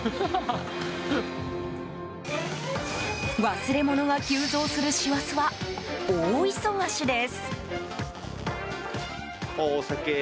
忘れ物が急増する師走は大忙しです。